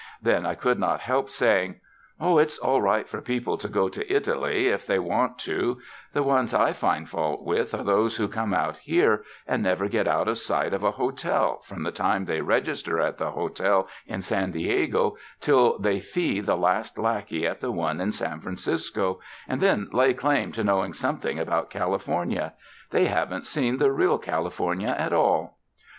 Then I could not help saying: ''Oh, it's all right for people to go to Italy, if they want to; the ones I find fault with are those who come out here and never get out of sight of a hotel from the time they register at the hotel in San Diego till they fee the last lackey at the one in San Francisco, and then lay claim to knowing something about California — they haven't seen the real Cali fornia at all."